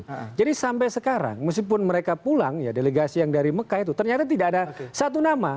nah jadi sampai sekarang meskipun mereka pulang ya delegasi yang dari mekah itu ternyata tidak ada satu nama